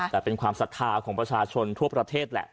แต่เป็นความศรัทธาของประชาชนทั่วประเทศแหละ